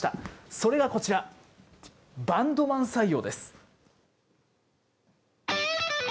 それがこちら、バンドマン採用です。